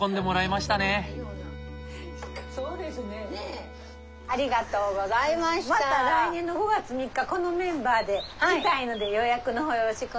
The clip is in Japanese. また来年の５月３日このメンバーで来たいので予約の方よろしくお願いします。